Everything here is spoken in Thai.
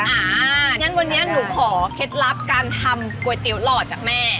อย่างนั้นวันนี้หนูขอเคล็ดลับการทำก๋วยเตี๋ยวหล่อจากแม่